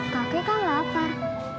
kakek kan lapar